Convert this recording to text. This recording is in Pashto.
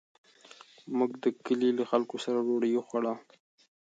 موږ د کلي له خلکو سره ډوډۍ وخوړه.